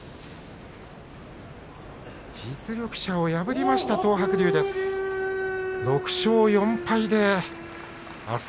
実力者を破りました東白龍です。